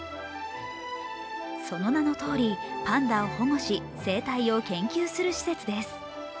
その名のとおり、パンダを保護し生態を研究する施設です。